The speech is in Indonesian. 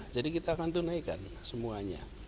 jadi kita akan tunaikan semuanya